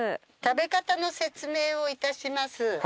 食べ方の説明をいたします。